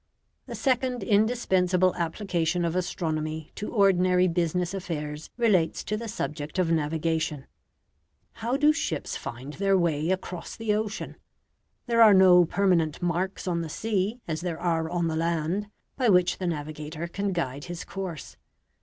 The second indispensable application of astronomy to ordinary business affairs relates to the subject of navigation. How do ships find their way across the ocean? There are no permanent marks on the sea, as there are on the land, by which the navigator can guide his course.